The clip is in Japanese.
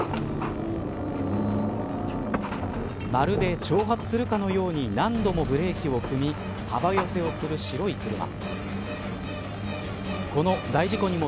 まるで挑発するかのように何度もブレーキを踏み幅寄せする白い車。